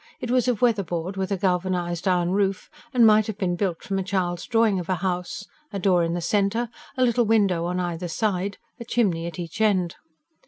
It was of weather board, with a galvanised iron roof, and might have been built from a child's drawing of a house: a door in the centre, a little window on either side, a chimney at each end.